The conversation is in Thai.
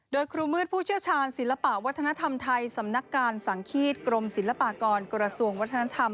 โดยครูมืดผู้เชี่ยวชาญศิลปะวัฒนธรรมไทยสำนักการสังฆีตกรมศิลปากรกระทรวงวัฒนธรรม